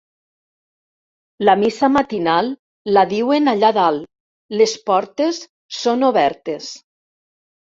La missa matinal la diuen allà dalt: les portes són obertes.